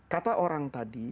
kata orang tadi